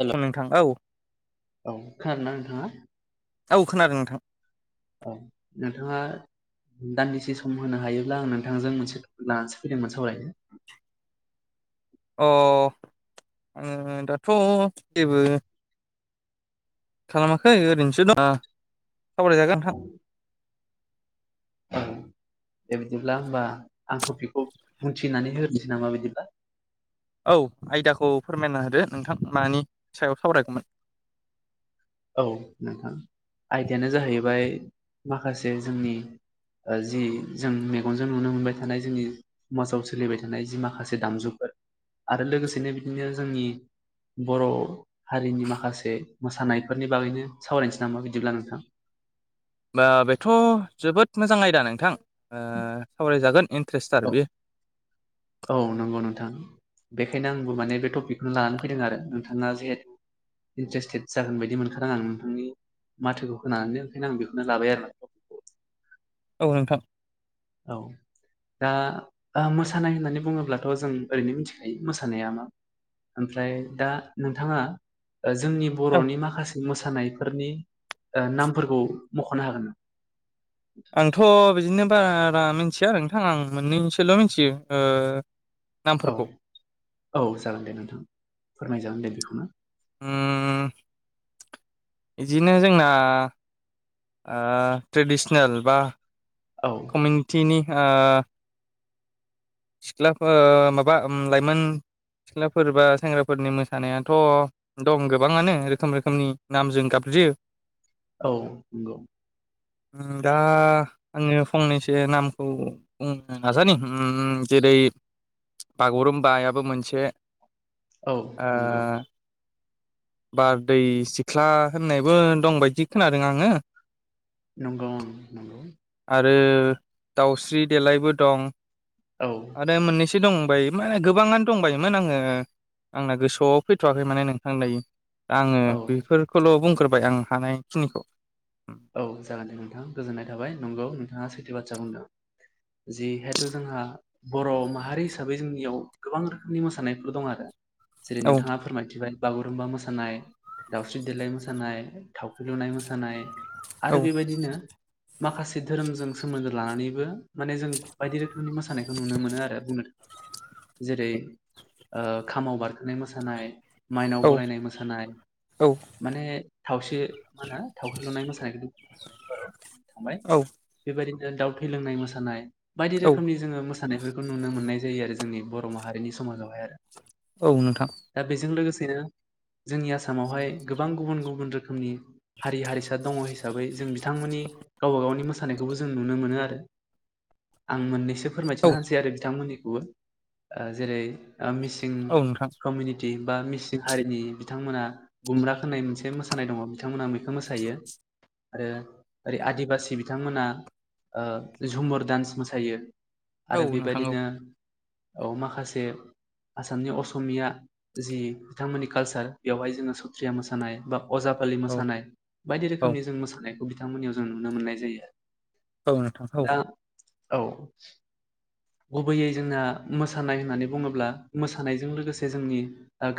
हेल' नोंथां औ। औ खोनादोना नोंथाङा। औ खोनादों नोंथां। औ नोंथाङा दानदिसे सम होनो हायोब्ला आं नोंथांजों मोनसे लानानैसो फैदोंमोन सावरायनो। [inaudible] अ उम दाथ' जेबो खालामाखै ओरैनोसो दं आ सावरायजागोन नोंथां। [inaudible] दे बिदिब्ला होमबा आं टपिकखौ बुंथिनानै होनिसै नामा बिदिब्ला। औ आयदाखौ फोरमायना होदो नोंथां मानि सायाव सावरायगौमोन। औ नोंथां आयदायानो जाहैबाय माखासे जोंनि ओ जि जों मेगनजों नुनो मोनबाय थानाय जोंनि समाजाव सोलिबाय थानाय जि माखासे दामजुफोर आरो लोगोसेनो बिदिनो जोंनि बर' हारिनि माखासे मोसानाय। बेफोरनि बागैनो सावरायनोसै नामा बिदिब्ला नोंथां। बा बेथ' जोबोद मोजां आयदा नोंथां ओ सावरायजागोन। त्रेस्थार औ बेयो। औ नंगौ नोंथां। बेखायनो आंबो माने बे टपिकखौनो लानानै फैदों आरो नोंथाङा जिहेथु इन्ट्रेस्टेड जागोन बायदि मोनखादों आं नोंथांनि माथोखौ खोनानैनो ओंखायनो आं बेखौनो लाबाय आरो ना औ नोंथां। औ दा ओ मोसानाय होन्नानै बुङोब्लाथ' जों ओरैनो मिथिखायो मोसानाया मा। ओमफ्राय दा नोंथाङा जोंनि औ बर'नि माखासे मोसानाय मोसानायफोरनि नामफोरखौ मख'नो हागोन नामा। आंथ' बिदिनो बारा मिथिया आरो नोंथां आं मोननैसोल' मिथियो। औ नामफोरखौ औ जागोन दे नोंथां फोरमाय जागोन दे बेखौनो। ओम बिदिनो जोंना आ ट्रेडिसनेल बा औ कमिउनिटिनि आ सिख्लाफोर माबा लाइमोन सिख्लाफोर बा सेंग्राफोरनि मोसानायाथ' दं गोबाङानो रोखोम रोखोमनि नामजों गाब [inaudible] औ नंगौ। दा आङो फंनैसो नामखौ बुंनो नाजानि। जेरै बागुरुम्बायाबो मोनसे। औ ओ नंगौ। बारदै सिख्ला होननायबो दं बायदि खोनादों आङो। नंगौ ओं नंगौ। आरो दाउस्रि देलायबो दं औ आरो मोननैसो दं। माने गोबाङानो दंबायोमोन आङो आंना गोसोआव फैथ'वाखै माने नोंथां दायो। दा आङो औ बेफोरखौल' बुंग्रोबाय आं हानायखिनिखौ। औ जागोन दे नोंथां गोजोननाय थाबाय नंगौ नोंथाङा सैथो बाथ्रा बुंदों। जिहेथु जोंहा बर' माहारि हिसाबै जोंनियाव गोबां रोखोमनि मोसानायफोर दं आरो। जेरै औ नोंथाङा फोरमायथिबाय। बागुरुम्बा मोसानाय दाावस्रि देलााय मोसानाय थावख्रि लुनाय मोसानाय। औ आरो बेबायदिनो। माखासे धोरोमजों सोमोन्दो लानानैबो माने जों बायदि रोखोमनि मोसानायखौ नुनो मोनो आरो बुंनो थाङोब्ला। जेरै खामाव बारखोनाय मोसानाय। माइनाव औ बरायनाय मोसानाय औ माने थावसे मा होनो थावख्रि लुनाय मोसानाय। थांबाय औ बेबायदिनो दाउ थै लोंनाय मोसानाय। बायदि औ रोखोमनि जोङो मोसानायफोरखौ नुनो मोननाय जायो आरो जोंनि बर' माहारिनि समाजावहाय आरो। औ नोंथां। दा बेजों जोंनि आसामावहाय गोबां गुबुन गुबुन रोखोमनि हारि हारिसा दङ। हिसाबै जों बिथांमोननि गावबा गावनि मोसानायखौबो जों नुनो मोनो आरो आं मोननैसो औ फोरमायथिना होनोसै आरो बिथांमोननिखौबो जेरै मिसिं औ नोंथां कमिउनिटि। बा मिसिं हारिनि बिथांमोना गुमब्रा होननाय मोनसे मोसानाय दङ बिथांमोना बिखौ मोसायो। आरो ओरै आदिबासि बिथांमोना। झुमुर दान्स मोसायो आरो औ नोंथां औ बेबायदिनो। औ माखासे। आसामनि असमिया जि बिथांमोननि कालसार बेवहाय जोङो सथ्रिया मोसानाय बा अजा फालि औ मोसानाय बायदि रोखोम। औ मोसानायखौ बिथांमोननियाव जों नुनो मोननाय जायो। औ नोंथां औ। दा औ। गुबैयै जोंना मोसानाय होननानै बुङोब्ला मोसानायजों लोगोसे जोंनि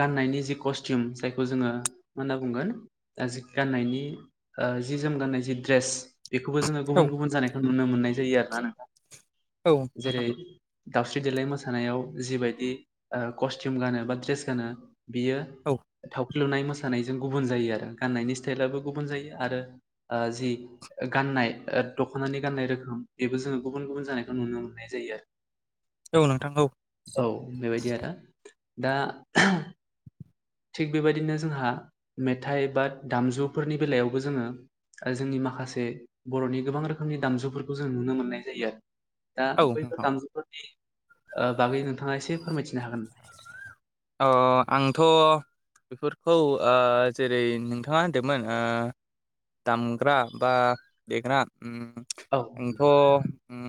गाननाय जि कसटिम जायखौ जोङो मा होनना बुंगोन गाननायनि ओ जि जोम गान्नाय जि द्रेस बेखौबो जोङो औ गुबुन गुबुन जानायखौ नुनो मोननाय जायो आरोना नोंथा। औ नोंथां। दावस्रि देेलाय मोसानायाव जि बायदि ओ कस्टिम गानो बा ड्रेस गानो बियो औ थावख्रि लुनाय मोसानायजों गुबुन जायो आरो गाननायनि स्टाइलाबो गुबुन जायो आरो जि गाननाय दख'नानि गाननाय रोखोम बेबो जोङो गुबुन गुबुन जानाय नुनो मोननाय जायो औ नोंथां औ औ बेबायदि आरो। दा थिग बेबायदिनो जोंहा मेथाइ बा दामजुफोरनि बेलायाव बो जोङो जोंनि माखासे बर'नि गोबां रोखोमनि दामजुफोरखौ जों नुनो मोननाय जायो। दा औ बैफोर नोंथां दामजुफोरनि ओ बागै नोंथाङा एसे फोरमायथि अ आंथ' बेफोर औ जेरै नोंथाङा होनदोमोन ओ दामग्रा बा देग्रा औ नोंथां आंथ' उम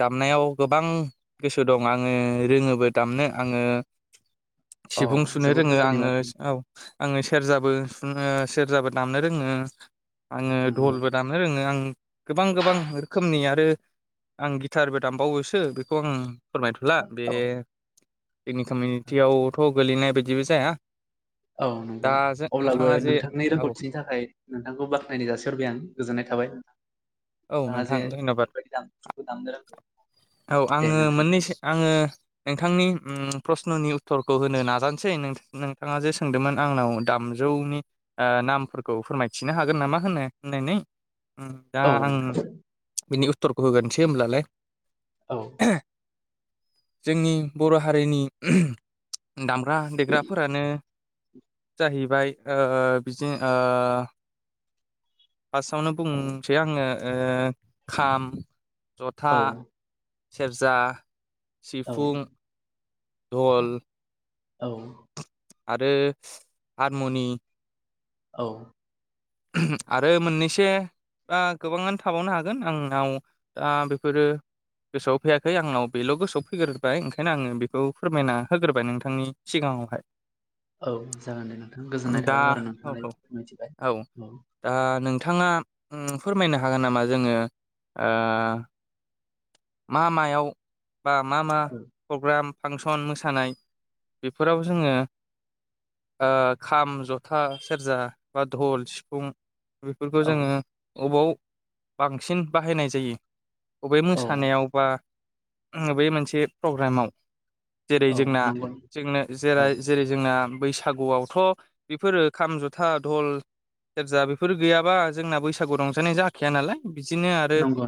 दामनायाव गोबां गोसो दं आङो रोङोबो दामनो। आङो औ सिफुं सुनो जोबोद रोङो मोजांनि आङो बाथ्रा औ आङो सेरजाबो सुङनो सेरजाबो दामनो रोङो आङो नंगौ धलबो दामनो रोङो आं गोबां गोबां रोखोमनि आरो आं गिटारबो दामबावोसो बेखौ आं फोरमायथ'ला बे औ इनि कमिउनिटियावथ' गोलैनाय बायदिबो जाया। औ नंगौ दा जों अब्लाबो नोंथाङा जे नोंथांनि औ रोंगौथिनि थाखाय नोंथांखौ बाख्नायनाय जासिहरबाय आं गोजोननाय था थाबाय औ नोंथाङा नोंथां जे धन्यबाद। बेफोरबायदि दामजुखौ दामनो रोंगौ औ दे आङो नोंथां मोननैसो आङो नोंथांनि उम प्रस्न'नि उत्तरखौ होनो नाजानोसै नों नोंथाङा जे सोंदोंमोन आंनाव दाम जौनि ओ नामफोरखौ फोरमायथिनो हागोन नामा होनो होननानै। दा औ आं नोंथां बिनि उत्तरखौ होगोनोसै होमब्लालाय औ जोंनि बर' हारिनि दामग्रा देग्राफोरानो जाहैबाय ओ बिजों ओ फार्स्टआवनो बुंसै आङो ओ खाम जथा औ सेरजा औ सिफुं धल औ आरो हारमनि औ आरो मोननैसे आ गोबाङानो थाबावनो हागोन आंनाव दा बेफोरो गोसोआव फैयाखै आंनाव बेल' गोसोआव फैग्रोबाय ओंखायनो आङो बेखौ फोरमायना होग्रोबाय नोंथांनि सिगाङावहाय। औ जागोन दे नोंथाङा गोजोननाय दा थाबाय औ औ औ [unintelligible] दा नोंथाङा उम फोरमायनो हागोन नामा जोङो आ मा मायाव बा मा मा औ प्रग्राम फांसन मोसानाय बेफोराव जोङो ओ खाम जथा सेरजा बा धल सिफु़ं बेफोरखौ जोङो औ बबाव बांसिन बाहायनाय जायो। बबे औ मोसानायाव बा बबे मोनसे प्रग्रामाव जेरै औ जोंना नंगौ जोंनो जेरा औ जेरै जोंना बैसागुआवथ' बेफोरो खाम जथा धल सेरजा बेफोर गैयाबा जोंना बैसागु रंजानाय जाखाया नालाय बिदिनो आरो नंगौ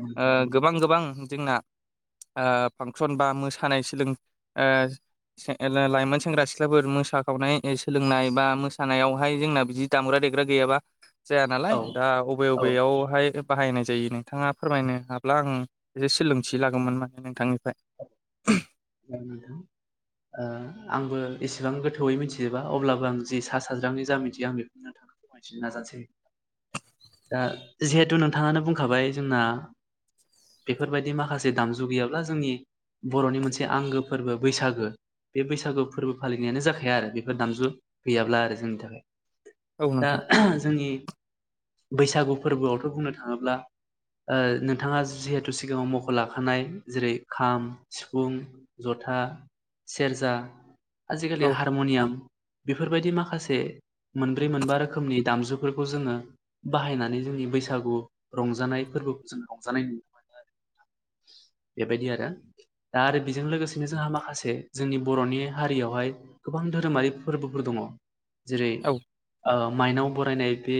ओ नोंथां। गोबां गोबां जोंना ओ फांसन बा मोसानाय सोलों ओ लाइमोन सेंग्रा सिख्लाफोर मोसाखावनाय सोलोंनाय बा मोसानायावहाय जोंना बिदि दामब्रा देग्रा गैयाबा जाया नालाय औ दा बबे औ बबेयावहाय बाहायनाय जायो नोंथाङा फोरमायनो हा अब्ला आं एसे सोलोंथि लागौमोन माने नोंथांनिफ्राय नायनायाव ओ आंबो एसेबां गोथौवयै मिथिजोबा अब्लाबो आं जे सा साज्रांनि जा मिथियो आं बेखौ थाङ मिथिनो नाजानोसै दा जिहेथु नोंथाङानो बुंखाबाय जोंना बेफोरबायदि माखासे दामजु गैयाब्ला जोंनि बर'नि मोनसे आंगो फोरबो बैसागो बे बैसागु फोरबो फालिनायानो जाखाया आरो बेफोर दामजु गैयाब्ला आरो जोंनि थाखाय औ नोंथां दा जोंनि बैसागु फोरबोआवथ' बुंनो थाङोब्ला ओ नोंथाङा जिहेथु सिगाङाव मख' लाखानाय जेरै खाम सिफुं जथा सेरजा आजिखालि औ हारमनियाम बेफोरबायद दि माखासे मोनब्रै मोनबा रोखोमनि दामजुफोरखौ जोङो बाहायनानै जोंनि बैसागु रंजानायफो [unintelligible] बेजों लोगोसेनो जोंहा माखासे जोंनि बर'नि हारियावहाय गोबां धोरोमारि फोरबोफोर दङ जेरै औ ओ माइनाव बरायनाय बे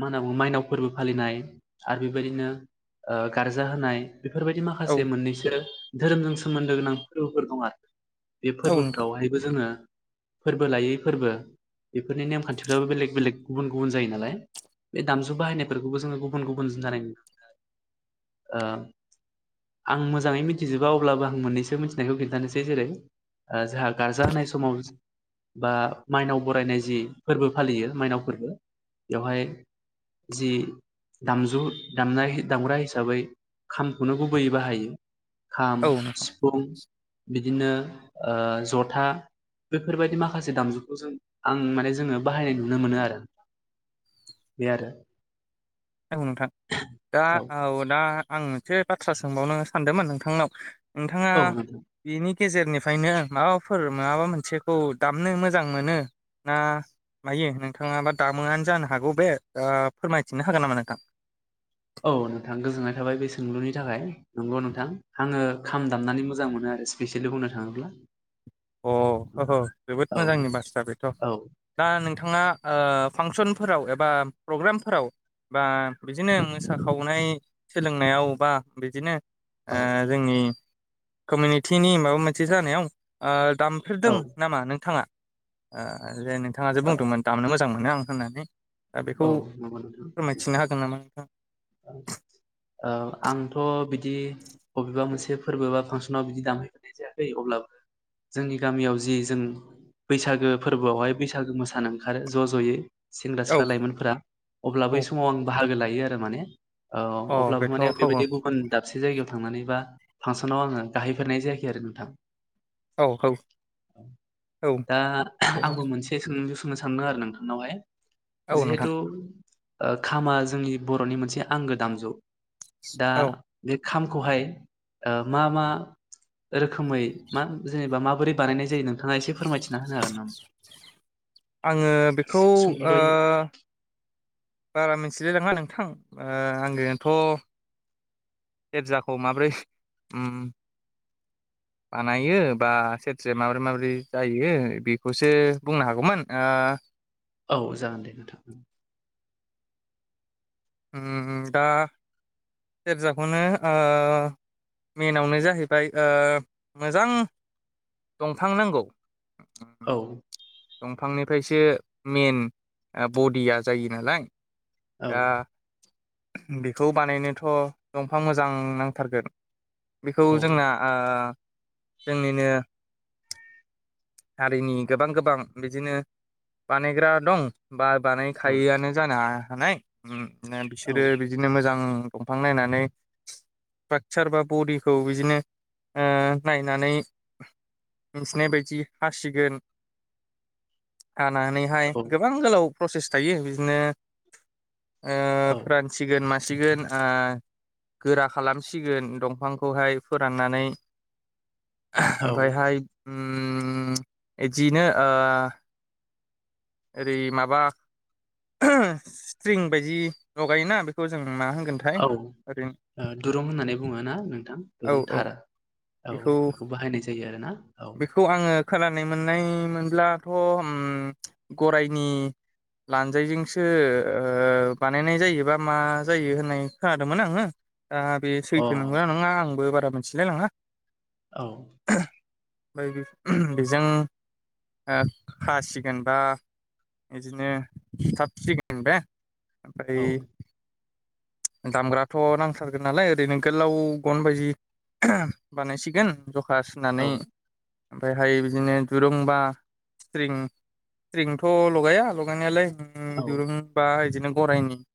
मा होनना बुङो माइनाव फोरबो फालिनाय आरो बेबायदिनो ओ गारजा होनाय बेफोरबायदि औ माखासे मोननैसो धोरोमजों सोमोन्दो गोनां फोरबोफोर दं आरो बे औ नोंथां फोरबोफोरावहायबो जोङो फोरबो लायै फोरबो बेफोरनि नेमखान्थिफ्राबो बेलेग बेलेग गुबुन गुबुन जायो नालाय बे दामजु बाहायनायफोरखौबो जोङो गुबुन गुबुन जानाय नु ओ आं मोजाङै मिथिजोबाव अब्लाबो आं मोननैसो मिथिनायखौ खिन्थानोसै जेरै ओ जोंहा गारजा होनाय समाव बा माइनाव बरायनाय जि फोरबो फालियो माइनाव फोरबो बेवहाय जि दामजु दामनाय दामग्रा हिसाबै खामखौनो गुबैयै बाहायो खाम औ नोंथां सिफुं बिदिनो ओ जथा बेफोरबायदि माखासे दामजुखौ जों आं माने जोङो बाहायनाय नुनो मोनो आरो बे आरो औ नोंथां दा औ दा आं मोनसे बाथ्रा सोंबावनो सानदोंमोन नोंथांनाव नोंथाङा औ नोंथां बेनि गेजेरनिफ्रायनो माबाफोर माबा मोनसेखौ दामनो मोजां मोनो ना मायो नोंथाङाबा दामोआनो जानो हागौ बे ओ फोरमायथिनो हागोननामा नोंथां? औ नोंथां गोजोननाय थाबाय बे सोंलुनि थाखाय नंगौ नोंथां आङो खाम दामनानै मोजां मोनो आरो स्पेसियेलि बुंनो थाङोब्ला अ अह' जोबोद औ मोजांनि बाथ्रा बेथ' औ दा नोंथाङा ओ फांसनफोराव एबा प्रग्रामफोराव बा बिदिनो मोसाखावनाय सोलोंनायाव बा बिदिनो औ ओ जोंनि कमिउनिटिनि माबा मोनसे जानायाव ओ औ दामफेरदों नामा नोंथाङा? ओ जे नोंथाङ जे औ बुंदोंमोन दामनो मोजां मो नोआं होननानै दा बेखौ औ नंगौ नोंथां फोरमायथिनो हागोन नामा नोंथां? ओ आंथ' बिद बिदि बबेबा मोनसे फोरबो बा फांसनाव बिदि दामहैफनाय जायाखै अब्लाबो जोंनि गामियाव जि जों बैसागो फोरबोआवहाय बैसागो मोसानो ओंखारो ज' ज'यै औ लाइमोनफोरा अब्ला बै औ समाव आं बाहागो लायो आरो माने औ अ अब्लाबो बेथ' औ माने आं औ बेबायदि गुबुन दाबसे जायगायाव थांनानै बा फांसनाव आङो गाहायफेरनाय जायाखै आरो नोंथां। औ औ औ दा दे आंबो मोनसे सोंलु सों बुंनो सानदों आरो नोंथांनावहाय औ नोंथां जिहेथु खामा जोंनि बर'नि मोनसे आंगो दामजु दा औ बे खामखौहाय ओ मा मा रोखोमै मा जेनेबा माबोरै बानायनाय जायो नोंथाङा एसे फोरमायथि आङो बेखौ ओ सुंद'यै बारा मिथिलायलाङा नोंथां ओ आंनिनोथ' सेरजाखौ माबोरै उम बानायो बा सेरजाया माबोरै माबोरै जायो बेखौसो बुंनो हागौमोन दा दा औ जागोन दे नोंथां। उम दा सेरजाखौनो ओ मेनावनो जाहैबाय ओ मोजां दंफां नांगौ। औ दंफांनिफ्रायसो मेन बडिया जायो नालाय। औ दा बेखौ बानायनोथ' दंफां मोजां नांथारगोन। बेखौ औ जोंना ओ जोंनिनो हारिनि गोबां गोबां बिदिनो बानायग्रा दं। बा औ बानायखायोआनो जानो हानाया औ बिसोरो बिदिनो मोजां दंफां नायनानै बाक्सार बा बरडिखौ बिदिनो ओ नायनानै मिथिनाय बायदि हासिगोन हानानैहाय गोबां गोलाव प्रसेस थायो बिदिनो ओ औ फोरानसिगोन मासिगोन ओ गोरा खालामसिगोन दंफांखौहाय फोराननानै औ ओमफ्रायहाय उम इदिनो ओ ओरै माबा स्ट्रिं बायदि लगायोना बेखौ जों मा होनगोनथाय ओरैनो औ दुरुं होननानै बुङो ना नोंथां औ दुरुं औ थार। औ बेखौ बाहायनाय जायो आरो। बेखौ आङो खोनानाय मोननाय मोनब्लाथ' ओम गरायनि लानजायजोंसो ओ बानायनाय जायोबा मा जायो होननाय खोनादोंमोन आङो। दा बे अ सैथो नंगौ ना नङा आंबो बारा मोनथिलाय लाङा। औ ओमफ्राय बे बेजों। ओ खासिगोनबा बिदिनो सुथाबसिगोन बा ओमफ्राय औ दामग्राथ' नांथारगोन नालाय ओरैनो गोलाव गन बायदि बानायसिगोन जखा सुनानै ओमफ्रायहाय बिदिनो दुरुंबा स्थ्रिं स्थ्रिंथ' लगाया लगायनायालाय। उम औ दुरुं बा बिदिनो गराइनि